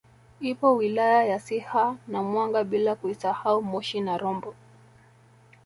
Ipo wilaya ya Siha na Mwanga bila kuisahau Moshi na Rombo